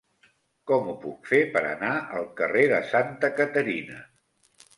Com ho puc fer per anar al carrer de Santa Caterina?